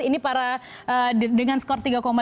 ini dengan skor tiga lima puluh satu